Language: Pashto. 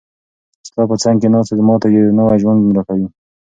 ستا په څنګ کې ناسته، ما ته یو نوی ژوند راکوي.